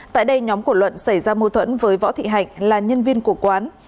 tại đây nhóm của luận xảy ra mâu thuẫn với võ thị hạnh là nhân viên của quán